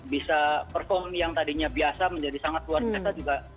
bisa perform yang tadinya biasa menjadi sangat luar biasa juga